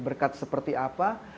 berkat seperti apa